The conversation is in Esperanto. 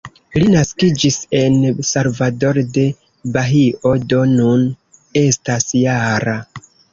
Li naskiĝis en Salvador-de-Bahio, do nun estas -jara.